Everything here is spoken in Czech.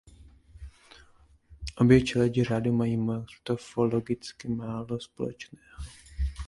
Obě čeledi řádu mají morfologicky málo společného.